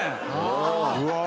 うわ！